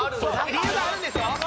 ・理由があるんですか？